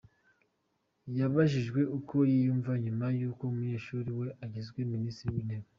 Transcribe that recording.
Yabajijwe uko yuyimva nyuma y’uko umunyeshuri we agizwe Minisitiri w’intebe;.